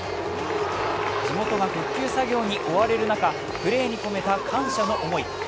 地元が復旧作業に追われる中、プレーに込めた感謝の思い。